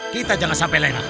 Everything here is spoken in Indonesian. kita jangan sampai lena